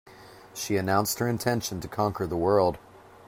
She announced her intention to conquer the world